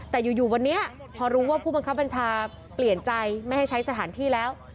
แต่อยู่วันนี้พอรู้ว่าผู้บังคับบัญชาเปลี่ยนใจไม่ให้ใช้สถานที่แล้ว